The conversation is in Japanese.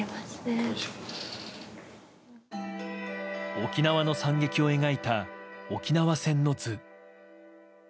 沖縄の惨劇を描いた「沖縄戦の図」。